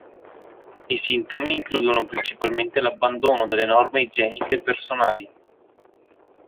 I sintomi includono principalmente l'abbandono delle norme igieniche personali.